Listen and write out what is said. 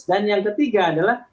dan yang ketiga adalah